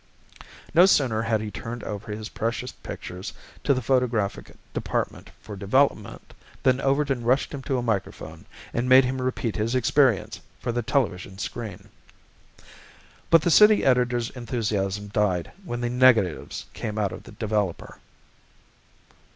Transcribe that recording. No sooner had he turned over his precious pictures to the photographic department for development than Overton rushed him to a microphone, and made him repeat his experience for the television screen. But the city editor's enthusiasm died when the negatives came out of the developer.